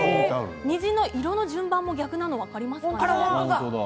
虹の色の順番も逆なのが分かりますか。